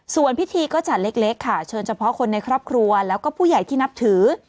ส่วนพิธีก็จัดเล็กค่ะเชิญเฉพาะคนในครอบครัวแล้วก็ผู้ใหญ่ที่นับถือ